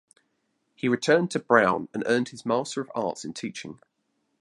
He returned to Brown and earned his Master of Arts in Teaching.